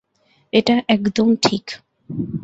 এটা একদম ঠিক।